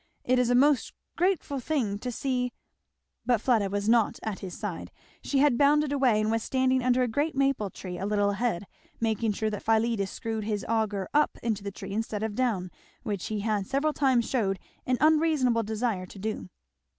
It is a most grateful thing to see " But Fleda was not at his side; she had bounded away and was standing under a great maple tree a little ahead, making sure that Philetus screwed his auger up into the tree instead of down, which he had several times shewed an unreasonable desire to do.